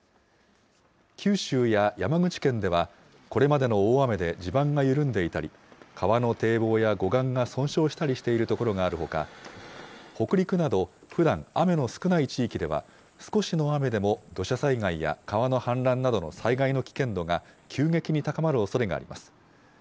九州や山口県では、これまでの大雨で地盤が緩んでいたり、川の堤防や護岸が損傷したりしている所があるほか、北陸などふだん、雨の少ない地域では、少しの雨でも土砂災害や川の氾濫などの災害の危険度が急激に高まるおそれがあります。